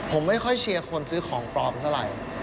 ผมไม่ค่อยเชียร์คนซื้อของปลอมเท่าไหร่